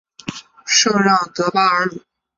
圣让德巴尔鲁。